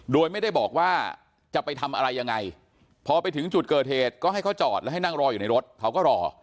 โดยไม่ได้บอกว่าจะไปทำอะไรยังไงพอไปถึงจุดเกิดเหตุก็ให้เขาจอดแล้วให้นั่งรออยู่ในรถเขาก็รอ